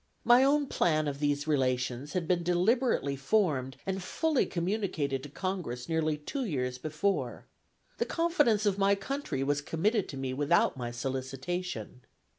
My own plan of these relations had been deliberately formed and fully communicated to Congress nearly two years before. The confidence of my country was committed to me without my solicitation.